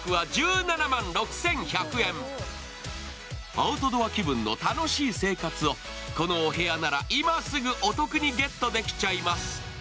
アウトドア気分の楽しい生活をこのお部屋なら、今すぐお得にゲットできちゃいます。